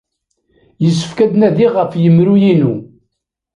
Yessefk ad d-nadiɣ ɣef yemru-inu.